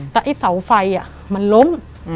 แต่ไอ้เสาไฟมันล้ม